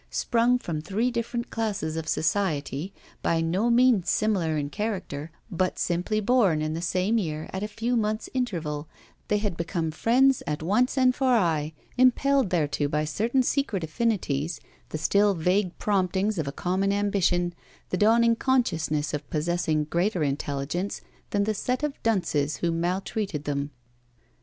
Sprung from three different classes of society, by no means similar in character, but simply born in the same year at a few months' interval, they had become friends at once and for aye, impelled thereto by certain secret affinities, the still vague promptings of a common ambition, the dawning consciousness of possessing greater intelligence than the set of dunces who maltreated them.